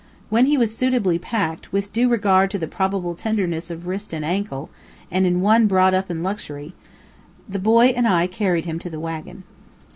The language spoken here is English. When he was suitably packed, with due regard to the probable tenderness of wrist and ankle in one brought up in luxury, the boy and I carried him to the wagon.